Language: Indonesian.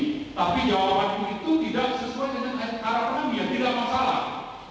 tapi jawabanku itu tidak sesuai dengan arahan yang tidak masalah